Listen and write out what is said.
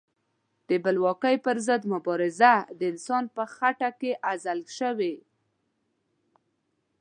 د بلواکۍ پر ضد مبارزه د انسان په خټه کې اغږل شوې.